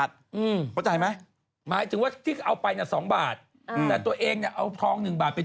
เราก็แค่วิเคราะห์ได้